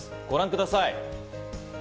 ご覧ください。